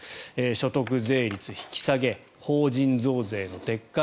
所得税率引き下げ法人増税の撤回